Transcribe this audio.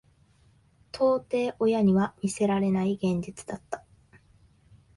到底親には見せられない現実だった。